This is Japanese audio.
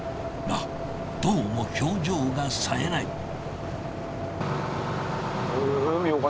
がどうも表情がさえない。